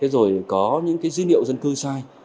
rồi có những dữ liệu dân cư sai